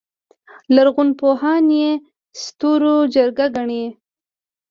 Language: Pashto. لرغونپوهان یې ستورو جګړه ګڼي